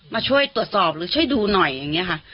มาช่วยตรวจสอบหรือช่วยดูหน่อยอย่างนี้ค่ะ